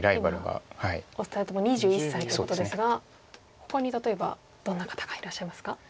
今お二人とも２１歳ということですがほかに例えばどんな方がいらっしゃいますか？